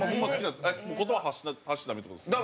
言葉発したら駄目ってことですね。